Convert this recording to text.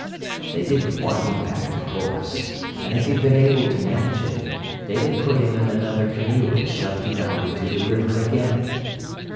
They didn't want him back, of course, and if he'd been able to manage it, they'd have put him in another canoe and shoved him out into the river again.